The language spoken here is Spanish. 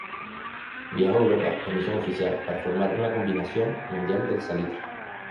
Viajó a Europa, en misión oficial, para formar una combinación mundial del salitre.